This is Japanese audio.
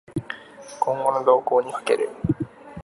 今後の動向に賭ける